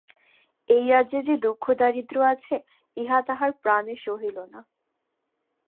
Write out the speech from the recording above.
এ রাজ্যে যে দুঃখ দারিদ্র্য আছে, ইহা তাহার প্রাণে সহিল না।